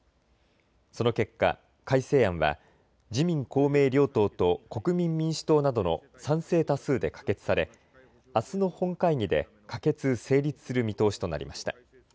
その結果、改正案は自民公明両党と国民民主党などの賛成多数で可決され、あすの本会議で可決・成立する見通しとなりました。